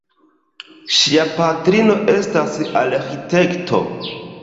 Ŝia patrino estas arĥitekto.